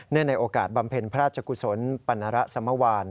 เนื่องในโอกาสบำเพ็ญพระราชกุศลปรรณรสมวรรค์